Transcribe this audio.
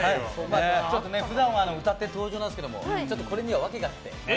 普段は歌って登場なんですけれどもこれには訳があって。